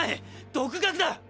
独学だ！